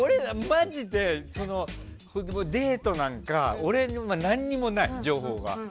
マジでデートなんか俺は何もない、情報は。